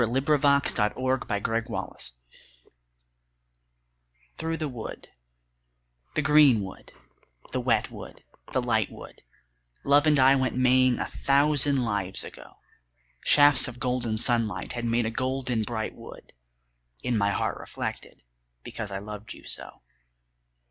ROSEMARY 51 THROUGH THE WOOD THKOUGH the wood, the green wood, the wet wood, the light wood, Love and I went maying a thousand lives ago ; Shafts of golden sunlight had made a golden bright wood In my heart reflected, because I loved you so.